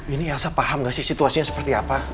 ini elsa paham gak sih situasinya seperti apa